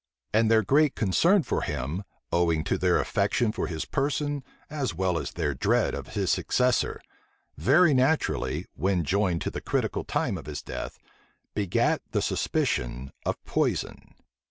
And their great concern for him, owing to their affection for his person, as well as their dread of his successor, very naturally, when joined to the critical time of his death, begat the suspicion of poison.